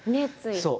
そう。